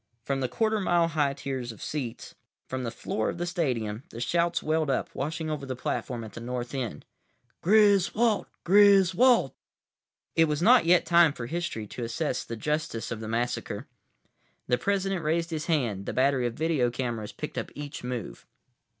From the quarter mile high tiers of seats, from the floor of the stadium, the shouts welled up, washing over the platform at the North end. "Griswold! Griswold!" It was not yet time for history to assess the justice of the massacre. The President raised his hand. The battery of video cameras picked up each move.